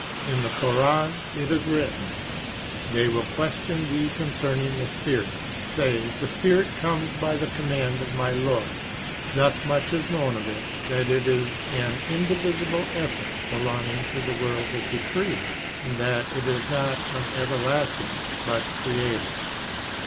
In the Koran it is written: "They will question thee concerning the spirit. Say: 'The Spirit comes by the command of my Lord.'" Thus much is known of it that it is an indivisible essence belonging to the world of decrees, and {p. 22} that it is not from everlasting, but created.